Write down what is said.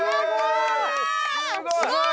すごい！